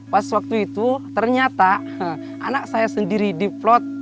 pas waktu itu ternyata anak saya sendiri diplot